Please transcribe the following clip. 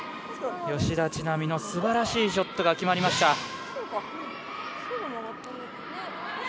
吉田知那美のすばらしいショットが決まりました。